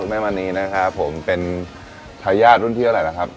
คุณแม่มันนี้นะครับผมเป็นทายาทรุ่นที่อะไรล่ะครับ